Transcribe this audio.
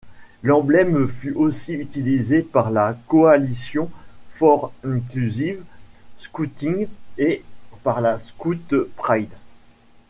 L'emblème fut aussi utilisé par la Coalition for Inclusive Scouting et par la ScoutPride.